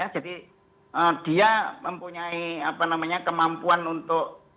jadi dia mempunyai apa namanya kemampuan untuk